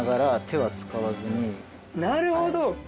なるほど！